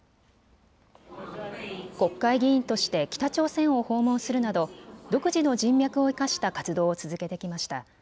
国会議員として北朝鮮を訪問するなど独自の人脈を生かした活動を続けてきました。